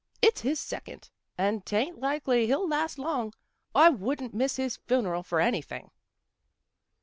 " It's his second and 'tain't likely he'll last long. I wouldn't miss his fun'rel for anything."